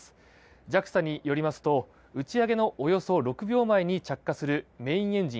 ＪＡＸＡによりますと打ち上げのおよそ６秒前に着火するメインエンジン